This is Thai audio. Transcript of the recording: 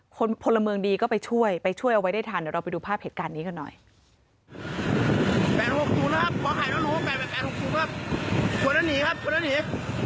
พลเมืองดีก็ไปช่วยไปช่วยเอาไว้ได้ทันเดี๋ยวเราไปดูภาพเหตุการณ์นี้กันหน่อย